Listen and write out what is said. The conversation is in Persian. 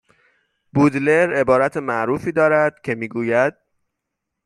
بودلر عبارت معروفی دارد که میگوید